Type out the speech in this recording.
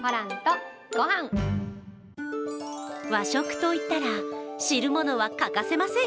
和食といったら、汁物は欠かせません。